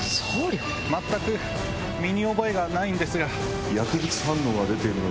全く身に覚えがないんですが。